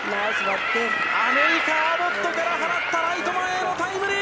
アメリカ、アボットから放ったライト前へのタイムリー！